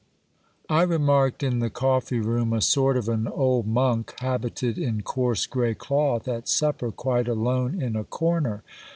I remarked in the coffee room a sort of an old monk, habited in coarse grey cloth, at supper quite alone in a comer.